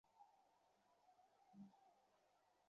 এখানে মন্দ কী হচ্ছে তোমার?